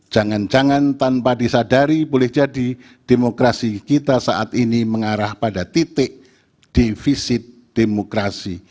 jangan jangan tanpa disadari boleh jadi demokrasi kita saat ini mengarah pada titik defisit demokrasi